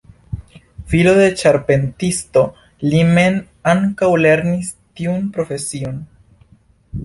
Filo de ĉarpentisto, li mem ankaŭ lernis tiun profesion.